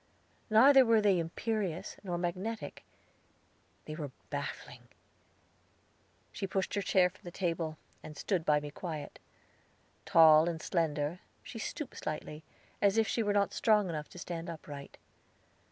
Neither were they imperious nor magnetic; they were baffling. She pushed her chair from the table, and stood by me quiet. Tall and slender, she stooped slightly, as if she were not strong enough to stand upright.